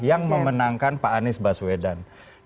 yang memenangkan pak anies baswedan